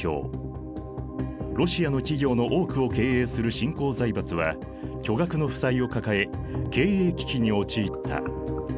ロシアの企業の多くを経営する新興財閥は巨額の負債を抱え経営危機に陥った。